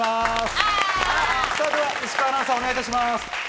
さぁ、では石川アナウンサー、お願いいたします。